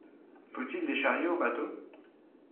Faut-il les charrier aux bateaux?